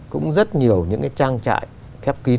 cũng rất nhiều những cái trang trại khép kín